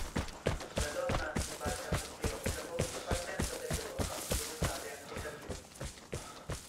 La donna si imbarca sul piroscafo in partenza per l'Europa dove sale anche Kadir.